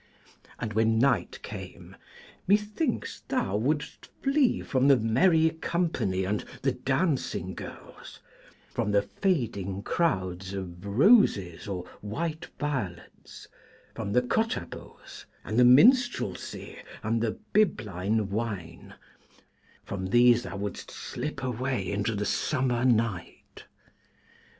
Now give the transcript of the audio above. And when night came, methinks thou wouldst flee from the merry company and the dancing girls, from the fading crowds of roses or white violets, from the cottabos, and the minstrelsy, and the Bibline wine, from these thou wouldst slip away into the summer night.